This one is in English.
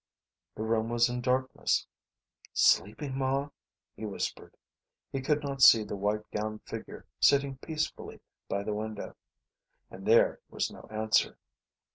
The room was in darkness. "Sleeping, Ma?" he whispered. He could not see the white gowned figure sitting peacefully by the window, and there was no answer.